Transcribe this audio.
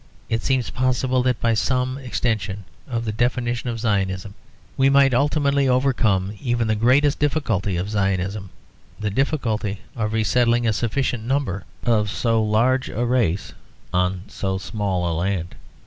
It seems possible that by some such extension of the definition of Zionism we might ultimately overcome even the greatest difficulty of Zionism, the difficulty of resettling a sufficient number of so large a race on so small a land.